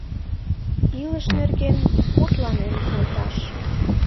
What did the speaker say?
Илыш нерген мутланен колташ.